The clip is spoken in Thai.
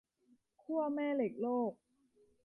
ขั้วแม่เหล็กโลก